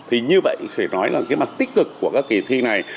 thì như vậy phải nói là cái mặt tích cực của các kỳ thi này